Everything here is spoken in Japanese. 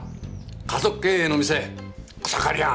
家族経営の店「草刈庵」！